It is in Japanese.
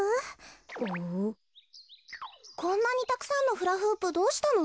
こんなにたくさんのフラフープどうしたの？